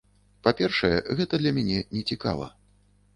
Па-першае, гэта для мяне нецікава.